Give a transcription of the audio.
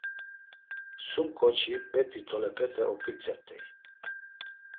Sum ǩoçi bet̆i tolepete oǩitzert̆ey.